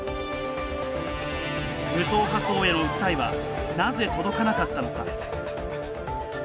無党派層への訴えはなぜ届かなかったのか？